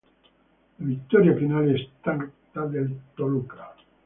La Vittoria finale è stata del Toluca.